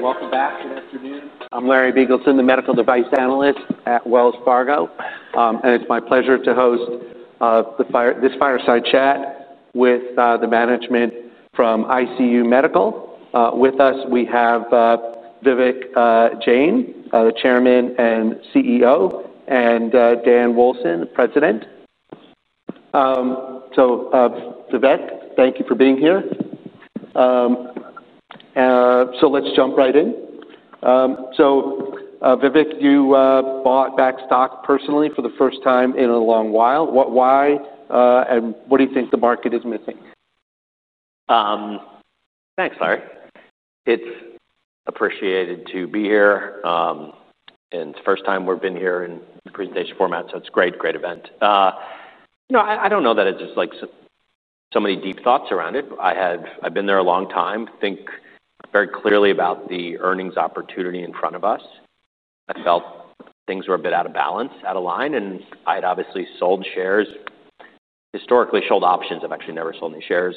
Hey, welcome back. Good afternoon. I'm Larry Biegelsen, the Medical Device Analyst at Wells Fargo. It's my pleasure to host this fireside chat with the management from ICU Medical. With us, we have Vivek Jain, the Chairman and CEO, and Dan Woolson, the President. Vivek, thank you for being here. Let's jump right in. Vivek, you bought back stock personally for the first time in a long while. What, why, and what do you think the market is missing? Thanks, Larry. It's appreciated to be here. It's the first time we've been here in the presentation format. It's a great, great event. I don't know that it's just like so many deep thoughts around it. I have been there a long time, think very clearly about the earnings opportunity in front of us. I felt things were a bit out of balance, out of line, and I'd obviously sold shares, historically sold options. I've actually never sold any shares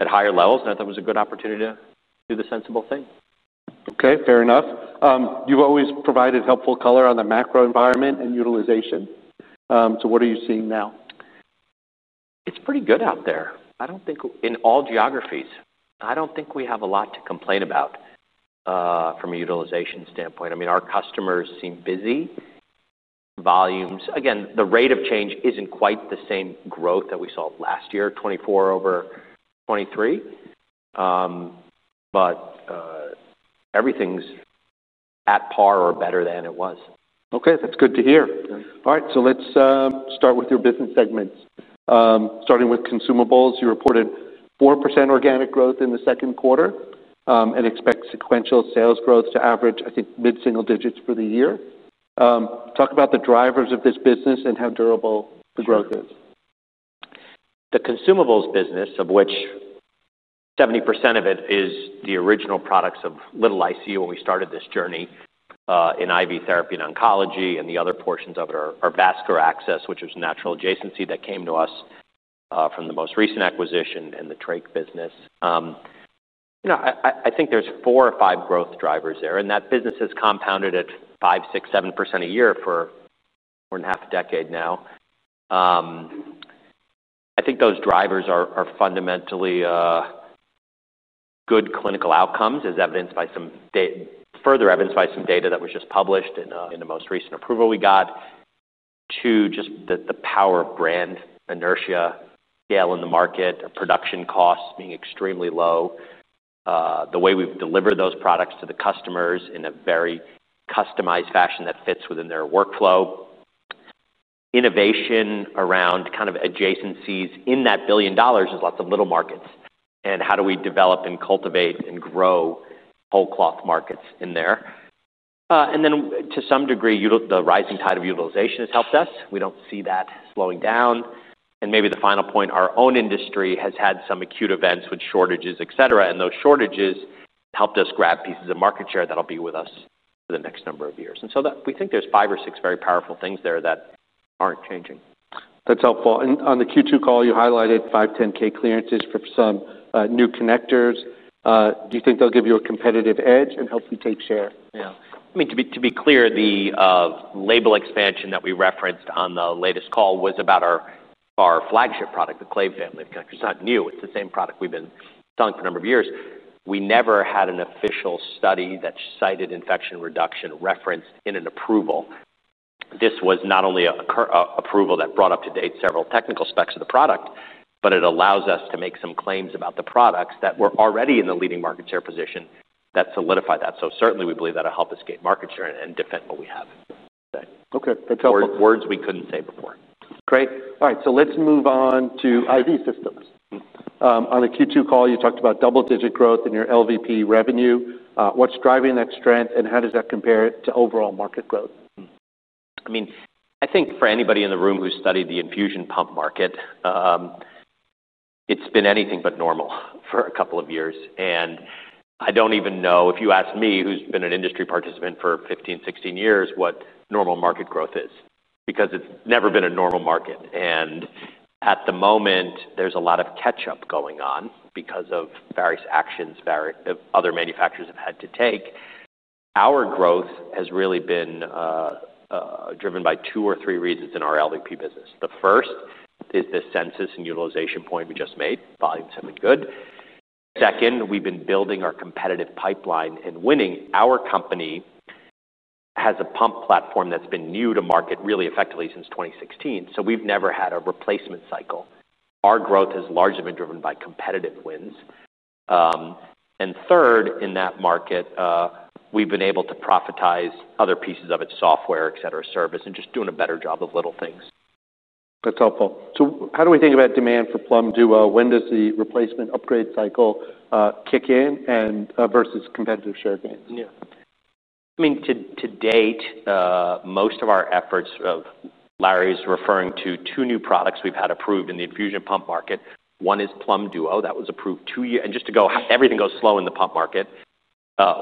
at higher levels. I thought it was a good opportunity to do the sensible thing. Okay, fair enough. You've always provided helpful color on the macro environment and utilization. What are you seeing now? It's pretty good out there. I don't think in all geographies, I don't think we have a lot to complain about from a utilization standpoint. I mean, our customers seem busy. Volumes, again, the rate of change isn't quite the same growth that we saw last year, 2024 over 2023, but everything's at par or better than it was. Okay, that's good to hear. All right, let's start with your business segments. Starting with consumables, you reported 4% organic growth in the second quarter and expect sequential sales growth to average, I think, mid-single digits for the year. Talk about the drivers of this business and how durable the growth is. The consumables business, of which 70% of it is the original products of little ICU when we started this journey, in IV therapy and oncology, and the other portions of it are our vascular access, which was a natural adjacency that came to us from the most recent acquisition and the trach business. I think there's four or five growth drivers there, and that business has compounded at 5%, 6%, 7% a year for more than half a decade now. I think those drivers are fundamentally good clinical outcomes as evidenced by some data, further evidenced by some data that was just published in the most recent approval we got. Two, just the power of brand inertia, scale in the market, production costs being extremely low, the way we've delivered those products to the customers in a very customized fashion that fits within their workflow. Innovation around kind of adjacencies in that billion dollars is lots of little markets. How do we develop and cultivate and grow whole cloth markets in there? To some degree, the rising tide of utilization has helped us. We don't see that slowing down. Maybe the final point, our own industry has had some acute events with shortages, et cetera, and those shortages helped us grab pieces of market share that'll be with us for the next number of years. We think there's five or six very powerful things there that aren't changing. That's helpful. On the Q2 call, you highlighted 510,000 clearances for some new connectors. Do you think they'll give you a competitive edge and help you take share? Yeah, to be clear, the label expansion that we referenced on the latest call was about our flagship product, the Clave family. It's not new. It's the same product we've been selling for a number of years. We never had an official study that cited infection reduction referenced in an approval. This was not only an approval that brought up to date several technical specs of the product, but it allows us to make some claims about the products that were already in the leading market share position that solidify that. Certainly we believe that'll help us get market share and defend what we have. Okay, that's helpful. Words we couldn't say before. Great. All right, so let's move on to IV systems. On the Q2 call, you talked about double-digit growth in your LVP revenue. What's driving that strength and how does that compare to overall market growth? I mean, I think for anybody in the room who's studied the infusion pump market, it's been anything but normal for a couple of years. I don't even know, if you ask me, who's been an industry participant for 15, 16 years, what normal market growth is. It's never been a normal market. At the moment, there's a lot of catch-up going on because of various actions other manufacturers have had to take. Our growth has really been driven by two or three reasons in our LVP business. The first is this census and utilization point we just made. Volume's been good. Second, we've been building our competitive pipeline and winning. Our company has a pump platform that's been new to market really effectively since 2016. We've never had a replacement cycle. Our growth has largely been driven by competitive wins. Third, in that market, we've been able to profitize other pieces of its software, service, and just doing a better job of little things. That's helpful. How do we think about demand for Plum Duo? When does the replacement upgrade cycle kick in versus competitive share gain? Yeah, I mean, to date, most of our efforts, as Larry's referring to, are two new products we've had approved in the infusion pump market. One is Plum Duo that was approved two years ago, and just to go, everything goes slow in the pump market.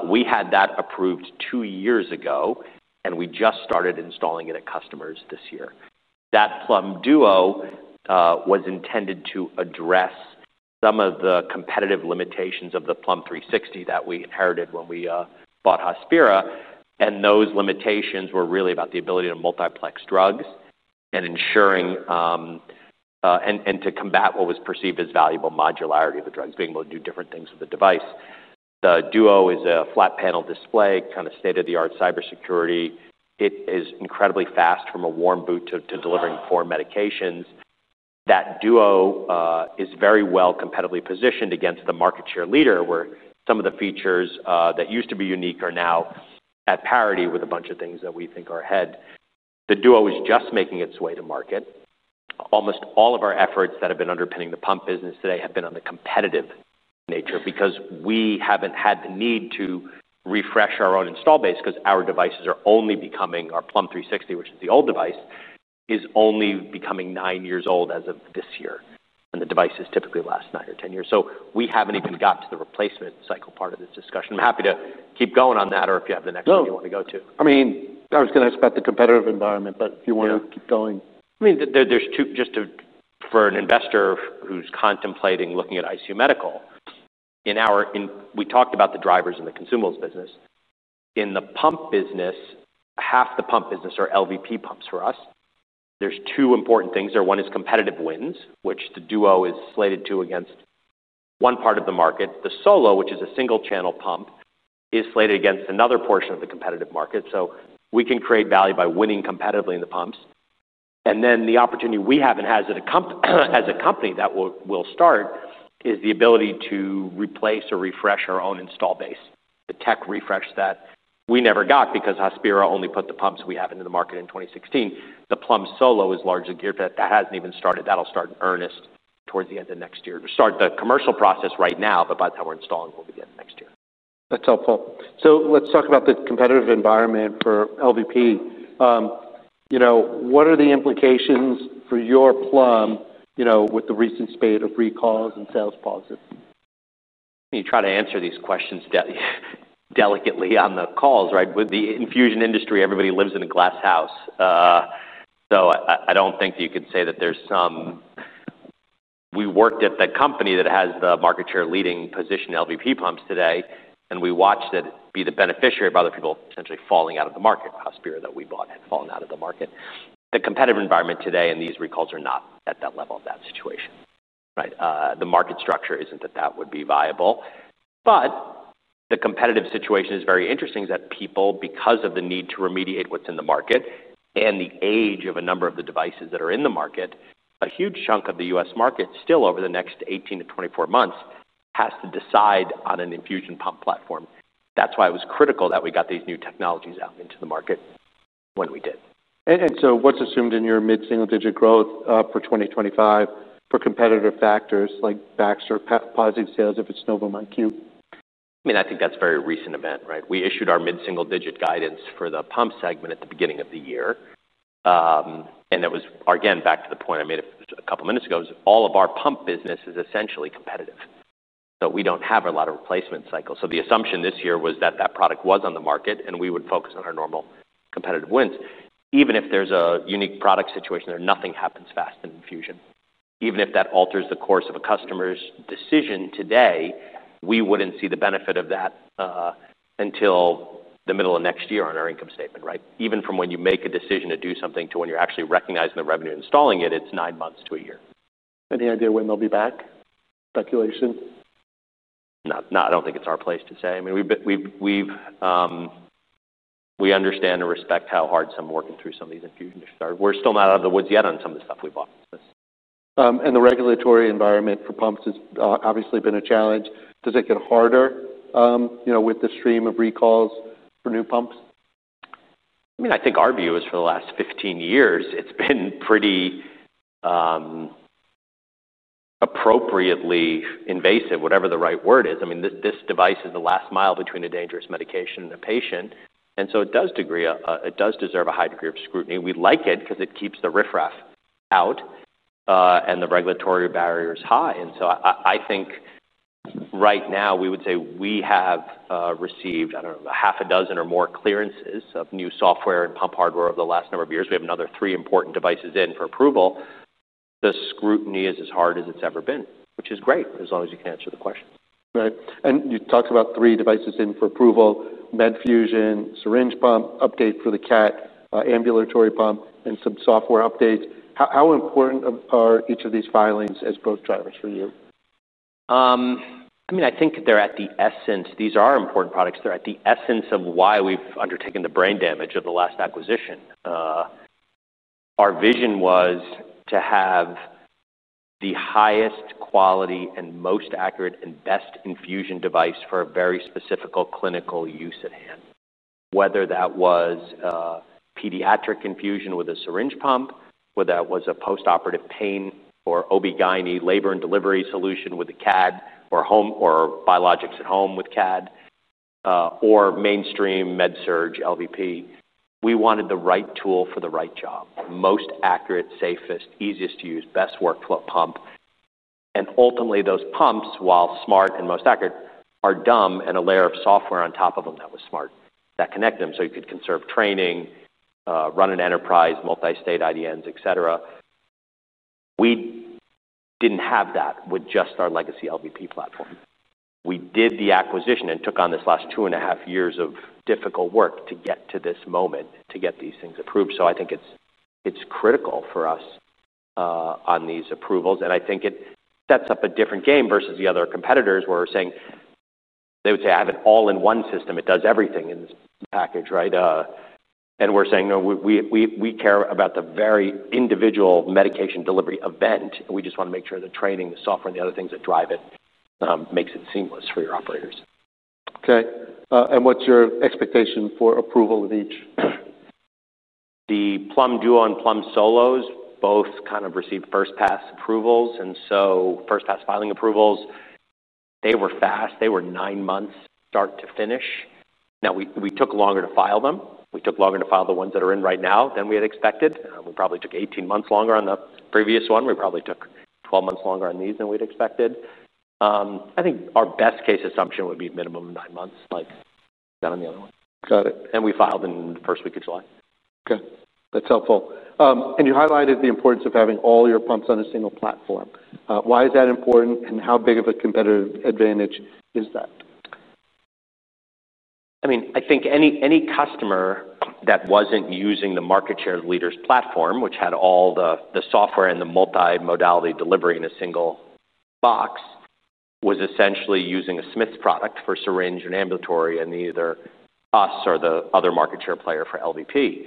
We had that approved two years ago, and we just started installing it at customers this year. That Plum Duo was intended to address some of the competitive limitations of the Plum 360 that we inherited when we bought Hospira. Those limitations were really about the ability to multiplex drugs and ensuring, and to combat what was perceived as valuable modularity of the drugs, being able to do different things with the device. The Duo is a flat panel display, kind of state-of-the-art cybersecurity. It is incredibly fast from a warm boot to delivering four medications. That Duo is very well competitively positioned against the market share leader, where some of the features that used to be unique are now at parity with a bunch of things that we think are ahead. The Duo is just making its way to market. Almost all of our efforts that have been underpinning the pump business today have been on the competitive nature because we haven't had the need to refresh our own install base because our devices are only becoming, our Plum 360, which is the old device, is only becoming nine years old as of this year. The device typically lasts nine or 10 years. We haven't even got to the replacement cycle part of this discussion. I'm happy to keep going on that, or if you have the next one you want to go to. I mean, I was going to ask about the competitive environment, but if you want to keep going. There are two, just for an investor who's contemplating looking at ICU Medical, we talked about the drivers in the consumables business. In the pump business, half the pump business are LVP pumps for us. There are two important things there. One is competitive wins, which the Duo is slated to against one part of the market. The Solo, which is a single channel pump, is slated against another portion of the competitive market. We can create value by winning competitively in the pumps. The opportunity we have as a company that will start is the ability to replace or refresh our own install base, the tech refresh that we never got because Hospira only put the pumps we have into the market in 2016. The Plum Solo is largely geared to that. That hasn't even started. That'll start in earnest towards the end of next year. We start the commercial process right now, but by the time we're installing it will be the end of next year. That's helpful. Let's talk about the competitive environment for LVP. What are the implications for your Plum with the recent spate of recalls and sales pauses? You try to answer these questions delicately on the calls, right? With the infusion industry, everybody lives in a glass house. I don't think you can say that there's some, we worked at the company that has the market share leading position LVP pumps today, and we watched it be the beneficiary of other people potentially falling out of the market. Hospira that we bought had fallen out of the market. The competitive environment today and these recalls are not at that level of that situation. The market structure isn't that that would be viable. The competitive situation is very interesting that people, because of the need to remediate what's in the market and the age of a number of the devices that are in the market, a huge chunk of the U.S. market still over the next 18- 24 months has to decide on an infusion pump platform. That's why it was critical that we got these new technologies out into the market when we did. What is assumed in your mid single- digit growth for 2025 for competitive factors like Baxter positive sales if it's NovoMyQ? I mean, I think that's a very recent event, right? We issued our mid single- digit guidance for the pump segment at the beginning of the year, and it was, again, back to the point I made a couple of minutes ago, all of our pump business is essentially competitive. We don't have a lot of replacement cycles. The assumption this year was that that product was on the market and we would focus on our normal competitive wins. Even if there's a unique product situation there, nothing happens fast in infusion. Even if that alters the course of a customer's decision today, we wouldn't see the benefit of that until the middle of next year on our income statement, right? Even from when you make a decision to do something to when you're actually recognizing the revenue and installing it, it's nine months to a year. Any idea when they'll be back? Speculation? No, I don't think it's our place to say. I mean, we understand and respect how hard some are working through some of these infusion issues. We're still not out of the woods yet on some of the stuff we bought. The regulatory environment for pumps has obviously been a challenge. Does it get harder, you know, with the stream of recalls for new pumps? I think our view is for the last 15 years, it's been pretty appropriately invasive, whatever the right word is. This device is the last mile between a dangerous medication and a patient, and it does deserve a high degree of scrutiny. We like it because it keeps the riffraff out and the regulatory barriers high. I think right now we would say we have received, I don't know, half a dozen or more clearances of new software and pump hardware over the last number of years. We have another three important devices in for approval. The scrutiny is as hard as it's ever been, which is great as long as you can answer the question. Right. You talked about three devices in for approval: Medfusion syringe pump, update for the CADD ambulatory pump, and some software updates. How important are each of these filings as growth drivers for you? I mean, I think they're at the essence. These are important products. They're at the essence of why we've undertaken the brain damage of the last acquisition. Our vision was to have the highest quality and most accurate and best infusion device for a very specific clinical use at hand. Whether that was a pediatric infusion with a syringe pump, whether that was a postoperative pain or OB-GYN labor and delivery solution with a CADD or home or biologics at home with CADD, or mainstream med surge LVP. We wanted the right tool for the right job, most accurate, safest, easiest to use, best workflow pump. Ultimately, those pumps, while smart and most accurate, are dumb, and a layer of software on top of them that was smart that connected them so you could conserve training, run an enterprise, multi-state IDNs, et cetera. We didn't have that with just our legacy LVP platform. We did the acquisition and took on this last two and a half years of difficult work to get to this moment, to get these things approved. I think it's critical for us, on these approvals. I think it sets up a different game versus the other competitors where we're saying, they would say, I have an all-in-one system. It does everything in this package, right? We're saying, no, we care about the very individual medication delivery event. We just want to make sure the training, the software, and the other things that drive it, make it seamless for your operators. Okay, what's your expectation for approval of each? The Plum Duo and Plum Solo both kind of received first pass approvals. First pass filing approvals, they were fast. They were nine months start to finish. We took longer to file them. We took longer to file the ones that are in right now than we had expected. We probably took 18 months longer on the previous one. We probably took 12 months longer on these than we'd expected. I think our best case assumption would be minimum nine months, like done on the other one. Got it. We filed in the first week of July. Okay, that's helpful. You highlighted the importance of having all your pumps on a single platform. Why is that important, and how big of a competitive advantage is that? I think any customer that wasn't using the market share leader's platform, which had all the software and the multi-modality delivery in a single box, was essentially using a Smiths product for syringe and ambulatory and either us or the other market share player for LVP.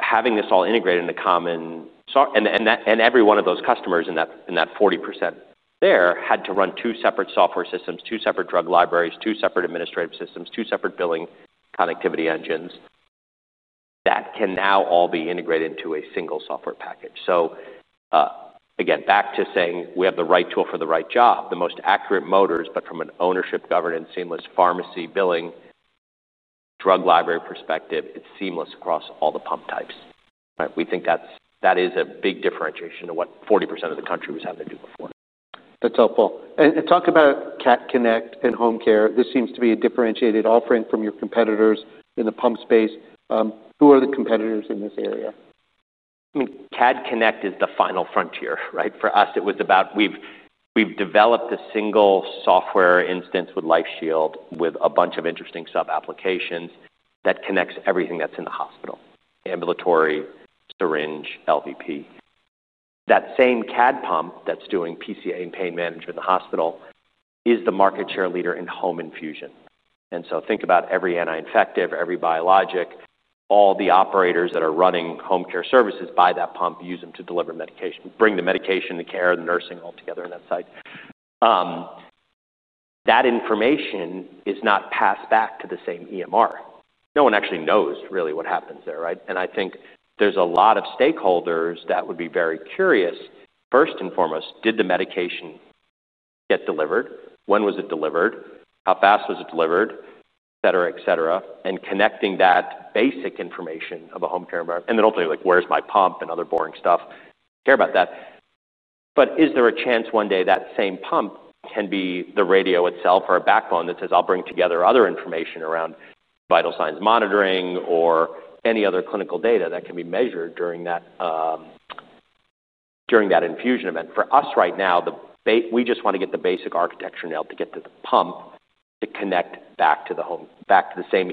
Having this all integrated in a common, and every one of those customers in that 40% there had to run two separate software systems, two separate drug libraries, two separate administrative systems, two separate billing connectivity engines. That can now all be integrated into a single software package. Again, back to saying we have the right tool for the right job, the most accurate motors, but from an ownership, governance, seamless pharmacy, billing, drug library perspective, it's seamless across all the pump types. We think that is a big differentiation of what 40% of the country was having to do before. That's helpful. Talk about CADD Connect and Home Care. This seems to be a differentiated offering from your competitors in the pump space. Who are the competitors in this area? I mean, CADD Connect is the final frontier, right? For us, it was about, we've developed a single software instance with LifeShield with a bunch of interesting sub-applications that connects everything that's in the hospital: ambulatory, syringe, LVP. That same CADD pump that's doing PCA and pain management in the hospital is the market share leader in home infusion. Think about every anti-infective, every biologic, all the operators that are running home care services by that pump use them to deliver medication, bring the medication, the care, the nursing all together in that site. That information is not passed back to the same EMR. No one actually knows really what happens there, right? I think there's a lot of stakeholders that would be very curious. First and foremost, did the medication get delivered? When was it delivered? How fast was it delivered? Et cetera, et cetera. Connecting that basic information of a home care environment. Ultimately, like, where's my pump and other boring stuff? Care about that. Is there a chance one day that same pump can be the radio itself or a backbone that says, I'll bring together other information around vital signs monitoring or any other clinical data that can be measured during that infusion event? For us right now, we just want to get the basic architecture nailed to get to the pump to connect back to the home, back to the same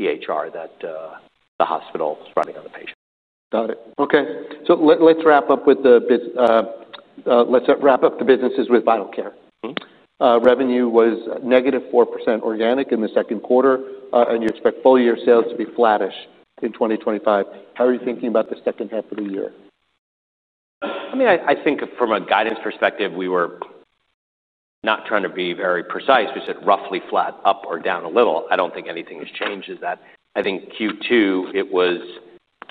EHR that the hospital is running on the patient. Got it. Okay. Let's wrap up the businesses with the vital care. Revenue was - 4% organic in the second quarter, and you expect full year sales to be flattish in 2025. How are you thinking about the second half of the year? I mean, I think from a guidance perspective, we were not trying to be very precise. We said roughly flat, up or down a little. I don't think anything has changed in that. I think Q2, it was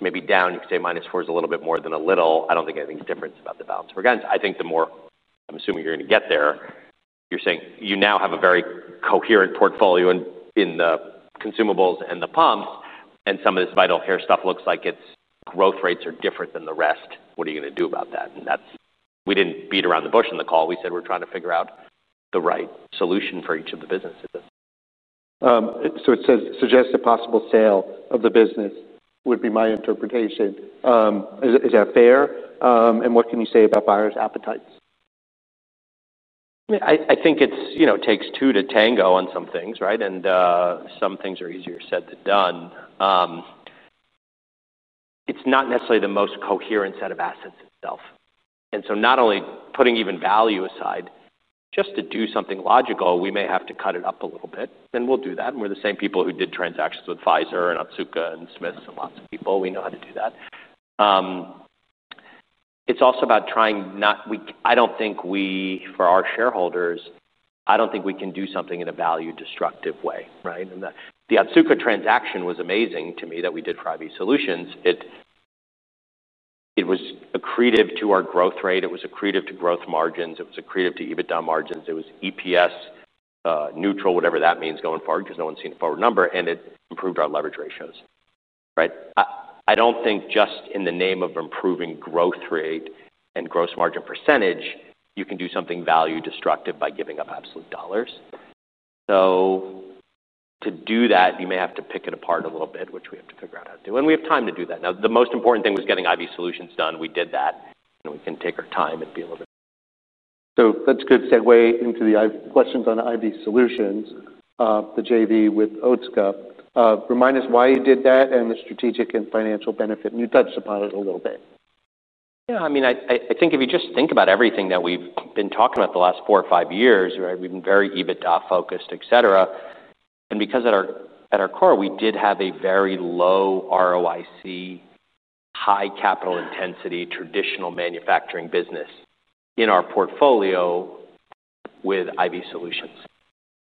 maybe down, you could say - 4% is a little bit more than a little. I don't think anything's different about the balance of our guidance. I think the more, I'm assuming you're going to get there, you're saying you now have a very coherent portfolio in the consumables and the pumps, and some of this vital care stuff looks like its growth rates are different than the rest. What are you going to do about that? That's, we didn't beat around the bush in the call. We said we're trying to figure out the right solution for each of the businesses. It suggests a possible sale of the business would be my interpretation. Is that fair? What can you say about buyer's appetites? I think it takes two to tango on some things, right? Some things are easier said than done. It's not necessarily the most coherent set of assets itself. Not only putting even value aside, just to do something logical, we may have to cut it up a little bit. We'll do that. We're the same people who did transactions with Pfizer and Otsuka and Smiths and lots of people. We know how to do that. It's also about trying not, I don't think we, for our shareholders, I don't think we can do something in a value-destructive way, right? The Otsuka transaction was amazing to me that we did for IV Solutions. It was accretive to our growth rate. It was accretive to gross margins. It was accretive to EBITDA margins. It was EPS neutral, whatever that means going forward because no one's seen a forward number. It improved our leverage ratios, right? I don't think just in the name of improving growth rate and gross margin percentage, you can do something value-destructive by giving up absolute dollars. To do that, you may have to pick it apart a little bit, which we have to figure out how to do. We have time to do that. The most important thing was getting IV Solutions done. We did that. We can take our time and be a little bit. That's a good segue into the questions on IV Solutions. The JV with Otsuka. Remind us why you did that and the strategic and financial benefit. You touched upon it a little bit. Yeah, I mean, I think if you just think about everything that we've been talking about the last four or five years, we've been very EBITDA focused, et cetera. At our core, we did have a very low ROIC, high capital intensity traditional manufacturing business in our portfolio with IV Solutions.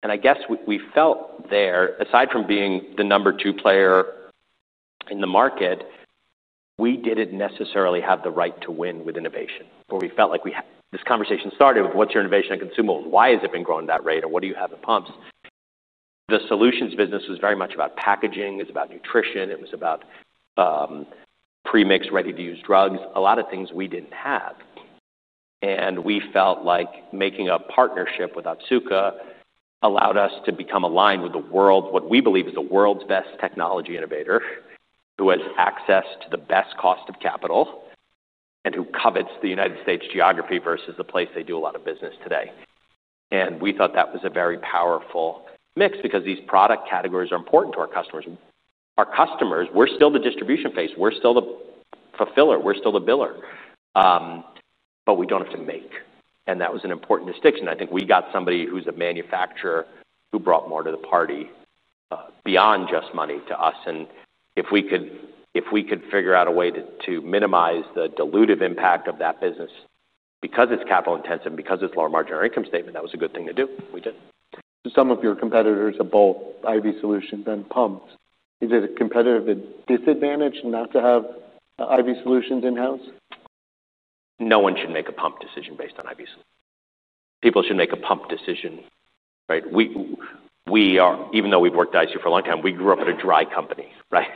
I guess we felt there, aside from being the number two player in the market, we didn't necessarily have the right to win with innovation. We felt like we had this conversation started with what's your innovation in consumables? Why has it been growing at that rate? What do you have in pumps? The solutions business was very much about packaging. It was about nutrition. It was about pre-mixed ready-to-use drugs. A lot of things we didn't have. We felt like making a partnership with Otsuka allowed us to become aligned with what we believe is the world's best technology innovator, who has access to the best cost of capital, and who covets the United States geography versus the place they do a lot of business today. We thought that was a very powerful mix because these product categories are important to our customers. Our customers, we're still the distribution phase. We're still the fulfiller. We're still the biller, but we don't have to make. That was an important distinction. I think we got somebody who's a manufacturer who brought more to the party, beyond just money to us. If we could figure out a way to minimize the dilutive impact of that business because it's capital intensive and because it's lower margin or income statement, that was a good thing to do. We did. Some of your competitors have both IV Solutions and pumps. Is it a competitive disadvantage not to have IV Solutions in-house? No one should make a pump decision based on IV Solutions. People should make a pump decision, right? We are, even though we've worked at ICU for a long time, we grew up at a dry company, right?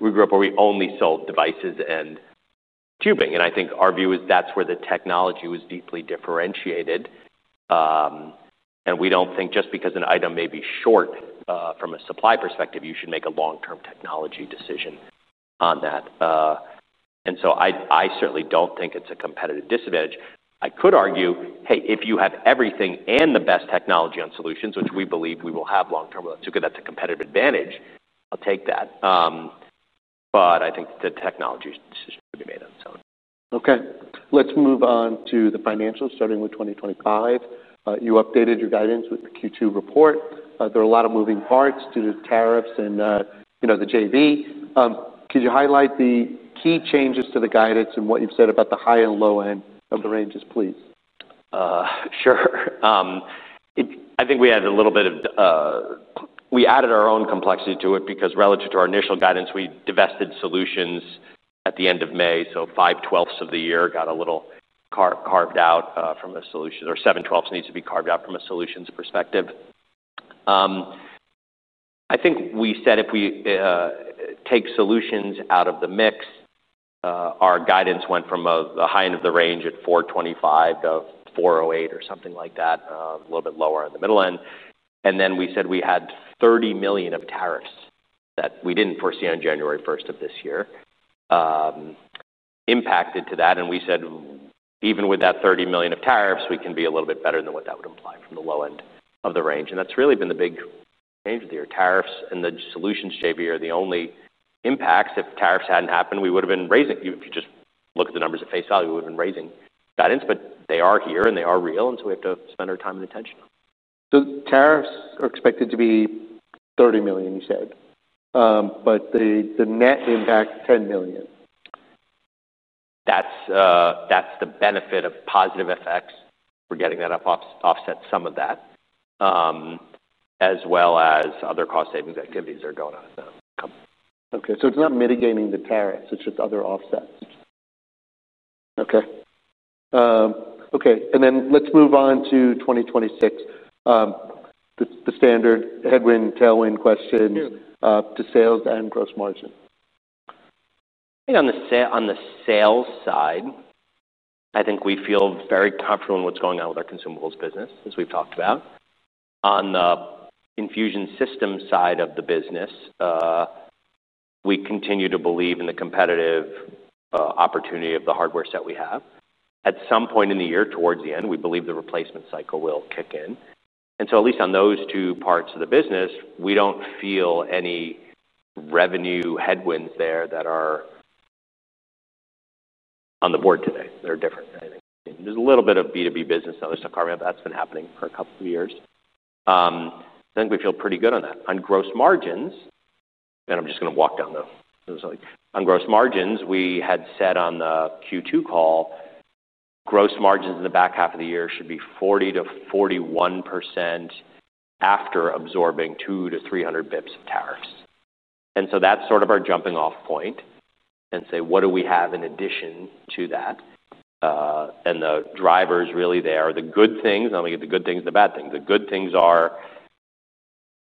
We grew up where we only sold devices and tubing. I think our view is that's where the technology was deeply differentiated. We don't think just because an item may be short, from a supply perspective, you should make a long-term technology decision on that. I certainly don't think it's a competitive disadvantage. I could argue, hey, if you have everything and the best technology on solutions, which we believe we will have long-term with Otsuka, that's a competitive advantage. I'll take that. I think the technology decision could be made on its own. Okay. Let's move on to the financials, starting with 2025. You updated your guidance with the Q2 report. There are a lot of moving parts due to tariffs and, you know, the JV. Could you highlight the key changes to the guidance and what you've said about the high and low end of the ranges, please? Sure. I think we added a little bit of, we added our own complexity to it because relative to our initial guidance, we divested solutions at the end of May. So five-twelfths of the year got a little carved out, from a solutions, or seven-twelfths needs to be carved out from a solutions perspective. I think we said if we take solutions out of the mix, our guidance went from the high end of the range at $425 million- $408 million or something like that, a little bit lower in the middle end. We said we had $30 million of tariffs that we didn't foresee on January 1st of this year, impacted to that. We said even with that $30 million of tariffs, we can be a little bit better than what that would imply from the low end of the range. That's really been the big change of the year. Tariffs and the solutions JV are the only impacts. If tariffs hadn't happened, we would have been raising. If you just look at the numbers at face value, we would have been raising guidance, but they are here and they are real. We have to spend our time and attention on them. Tariffs are expected to be $30 million, you said, but the net impact is $10 million. That's the benefit of positive effects. We're getting that to offset some of that, as well as other cost savings activities that are going on at the company. Okay, so it's not mitigating the tariffs. It's just other offsets. Okay. And then let's move on to 2026, the standard headwind, tailwind question to sales and gross margin. I think on the sales side, I think we feel very confident in what's going on with our consumables business, as we've talked about. On the infusion systems side of the business, we continue to believe in the competitive opportunity of the hardware set we have. At some point in the year, towards the end, we believe the replacement cycle will kick in. At least on those two parts of the business, we don't feel any revenue headwinds there that are on the board today that are different than anything. There's a little bit of B2B business and other stuff coming up. That's been happening for a couple of years. I think we feel pretty good on that. On gross margins, and I'm just going to walk down those. On gross margins, we had said on the Q2 call, gross margins in the back half of the year should be 40%- 41% after absorbing 200- 300 basis points of tariffs. That's sort of our jumping-off point and say, what do we have in addition to that? The drivers really, they are the good things. Let me get the good things and the bad things. The good things are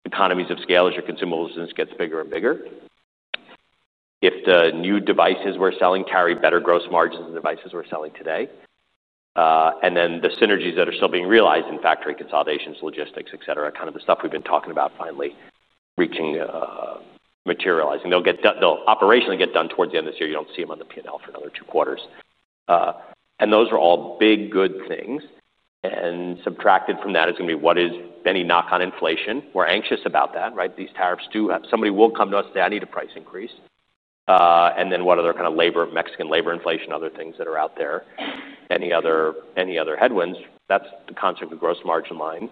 economies of scale as your consumables business gets bigger and bigger. If the new devices we're selling carry better gross margins than the devices we're selling today, and then the synergies that are still being realized in factory consolidations, logistics, et cetera, kind of the stuff we've been talking about finally reaching, materializing. They'll get done, they'll operationally get done towards the end of this year. You don't see them on the P&L for another two quarters. Those are all big good things. Subtracted from that is going to be what is any knock on inflation. We're anxious about that, right? These tariffs do have, somebody will come to us and say, I need a price increase, and then what other kind of labor, Mexican labor inflation, other things that are out there. Any other, any other headwinds? That's the concept of the gross margin line.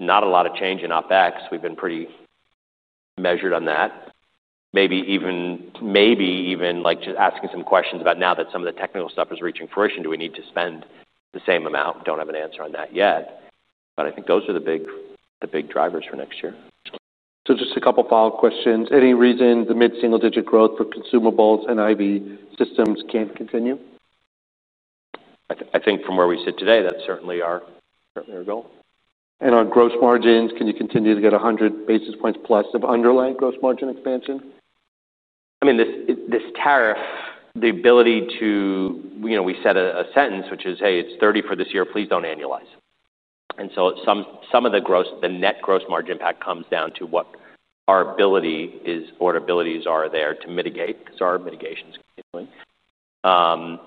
Not a lot of change in OpEx. We've been pretty measured on that. Maybe even, maybe even like just asking some questions about now that some of the technical stuff is reaching fruition, do we need to spend the same amount? Don't have an answer on that yet. I think those are the big, the big drivers for next year. Just a couple of follow-up questions. Any reason the mid single- digit growth for consumables and IV systems can't continue? I think from where we sit today, that's certainly our goal. On gross margins, can you continue to get 100 basis points+ of underlying gross margin expansion? I mean, this tariff, the ability to, you know, we said a sentence, which is, hey, it's $30 million for this year, please don't annualize it. Some of the net gross margin impact comes down to what our ability is, affordabilities are there to mitigate, because our mitigation is continuing.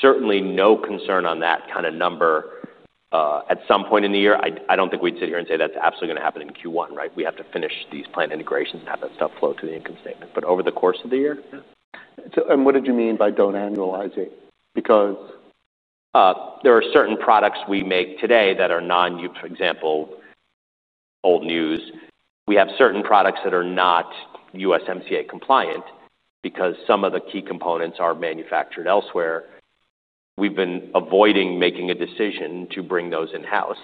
Certainly no concern on that kind of number. At some point in the year, I don't think we'd sit here and say that's absolutely going to happen in Q1, right? We have to finish these plan integrations and have that stuff flow to the income statement over the course of the year. What did you mean by don't annualize it? Because. There are certain products we make today that are non, for example, old news. We have certain products that are not USMCA compliant because some of the key components are manufactured elsewhere. We've been avoiding making a decision to bring those in-house.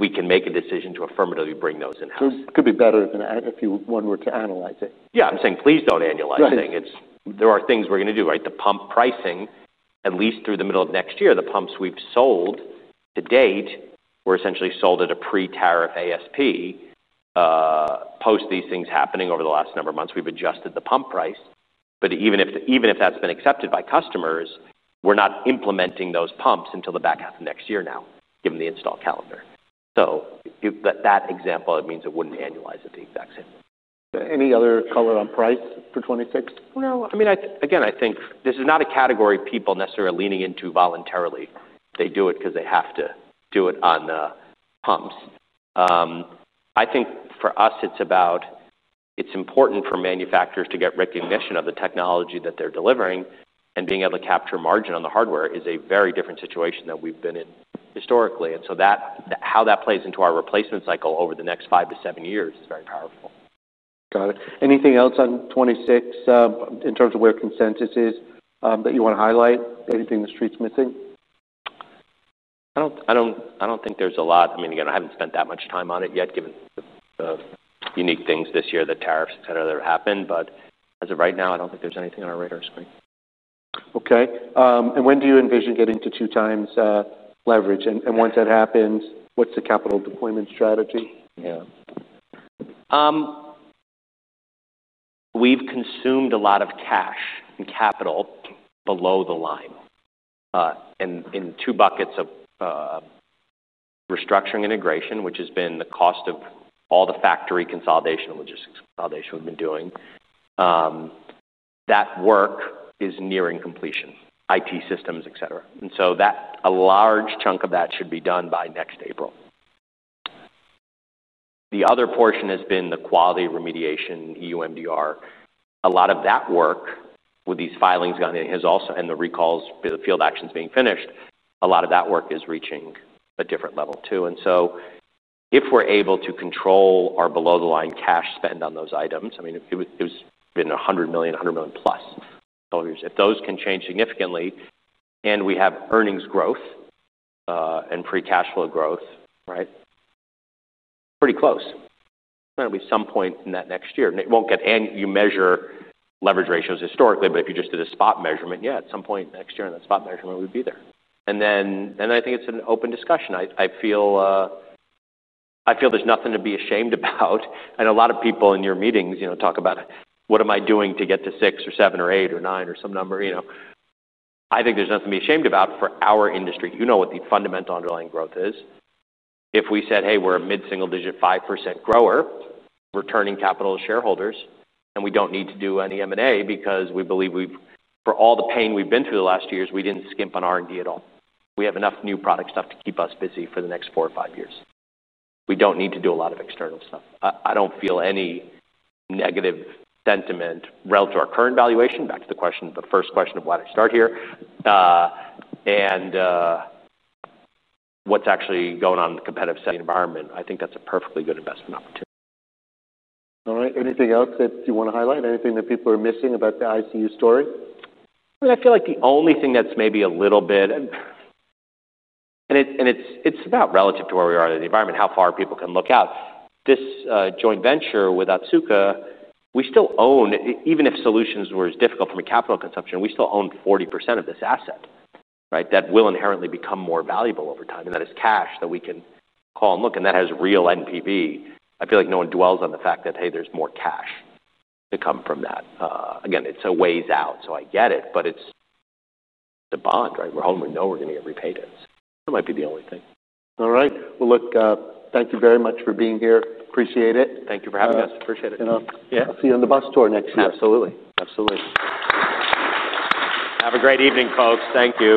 We can make a decision to affirmatively bring those in-house. It could be better than if you wanted to analyze it. Yeah, I'm saying please don't annualize anything. There are things we're going to do, right? The pump pricing, at least through the middle of next year, the pumps we've sold to date were essentially sold at a pre-tariff ASP. Post these things happening over the last number of months, we've adjusted the pump price. Even if that's been accepted by customers, we're not implementing those pumps until the back half of next year now, given the install calendar. For that example, it means it wouldn't annualize at the exact same. Any other color on price for 2026? No, I mean, I think this is not a category people necessarily are leaning into voluntarily. They do it because they have to do it on the pumps. I think for us, it's important for manufacturers to get recognition of the technology that they're delivering. Being able to capture margin on the hardware is a very different situation that we've been in historically. How that plays into our replacement cycle over the next five to seven years is very powerful. Got it. Anything else on 2026 in terms of where consensus is that you want to highlight? Anything the street's missing? I don't think there's a lot. I mean, I haven't spent that much time on it yet given the unique things this year, the tariffs, et cetera, that have happened. As of right now, I don't think there's anything on our radar screen. Okay. When do you envision getting to two times leverage? Once that happens, what's the capital deployment strategy? Yeah. We've consumed a lot of cash and capital below the line in two buckets of restructuring integration, which has been the cost of all the factory consolidation and logistics consolidation we've been doing. That work is nearing completion, IT systems, et cetera, and so a large chunk of that should be done by next April. The other portion has been the quality remediation, EU MDR. A lot of that work with these filings gone in has also, and the recalls, the field actions being finished, a lot of that work is reaching a different level too. If we're able to control our below-the-line cash spend on those items, I mean, it was in $100 million, $100+ million. If those can change significantly, and we have earnings growth and free cash flow growth, right? Pretty close. There'll be some point in that next year. It won't get, and you measure leverage ratios historically, but if you just did a spot measurement, yeah, at some point next year in that spot measurement, we'd be there. I think it's an open discussion. I feel there's nothing to be ashamed about. A lot of people in your meetings talk about what am I doing to get to six or seven or eight or nine or some number. I think there's nothing to be ashamed about for our industry. You know what the fundamental underlying growth is. If we said, hey, we're a mid single- digit 5% grower, returning capital to shareholders, and we don't need to do any M&A because we believe we've, for all the pain we've been through the last two years, we didn't skimp on R&D at all. We have enough new product stuff to keep us busy for the next four or five years. We don't need to do a lot of external stuff. I don't feel any negative sentiment relative to our current valuation, back to the question, the first question of why did I start here. What's actually going on in the competitive setting environment? I think that's a perfectly good investment opportunity. All right. Anything else that you want to highlight? Anything that people are missing about the ICU Medical story? I mean, I feel like the only thing that's maybe a little bit, and it's about relative to where we are in the environment, how far people can look out. This joint venture with Otsuka, we still own, even if solutions were as difficult from a capital consumption, we still own 40% of this asset, right? That will inherently become more valuable over time. That is cash that we can call and look, and that has real NPV. I feel like no one dwells on the fact that, hey, there's more cash to come from that. Again, it's a ways out, I get it, but it's the bond, right? We're holding, we know we're going to get repaid in. That might be the only thing. All right. Thank you very much for being here. Appreciate it. Thank you for having us. Appreciate it. Yeah, I'll see you on the bus tour next time. Absolutely. Absolutely. Have a great evening, folks. Thank you.